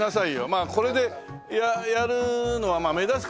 まあこれでやるのは目立つからだよね？